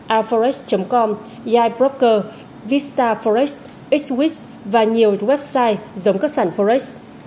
aforex com yai broker vista forest x wiz và nhiều website giống các sản forest